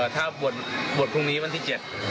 ถ้าบวชพรุ่งนี้วันที่๗